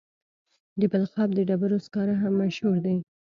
د بلخاب د ډبرو سکاره هم مشهور دي.